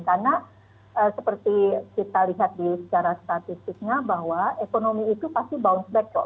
karena seperti kita lihat di secara statistiknya bahwa ekonomi itu pasti bounce back kok